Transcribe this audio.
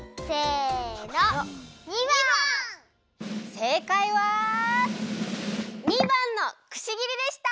せいかいは②ばんのくし切りでした！